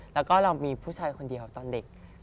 แล้วก็เรามีผู้ชายคนเดียวตอนเด็ก